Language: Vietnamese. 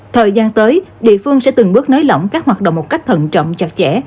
thời gian tới địa phương sẽ từng bước nới lỏng các hoạt động một cách thận trọng chặt chẽ